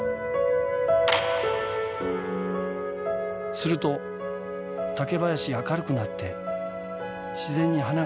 すると竹林が明るくなって自然に花が増えます。